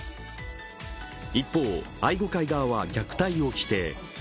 一方、愛護会側は虐待を否定。